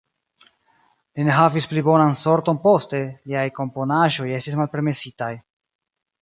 Li ne havis pli bonan sorton poste, liaj komponaĵoj estis malpermesitaj.